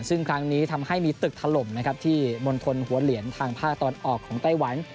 ซึ่งครั้งนี้ทำให้มีตึกถล่มนะครับที่มณฑลหัวเหลียนทางภาคตะวันออกของไต้หวัน